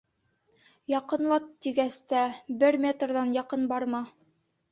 Яҡынлат тигәс тә... бер метрҙан яҡын барма.